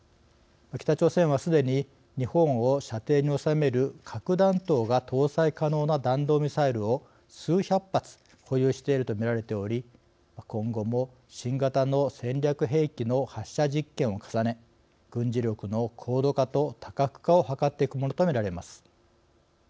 北朝鮮はすでに日本を射程に収める核弾頭が搭載可能な弾道ミサイルを数百発保有しているとみられており今後も新型の戦略兵器の発射実験を重ね軍事力の高度化と多角化をはかっていくものとみられます。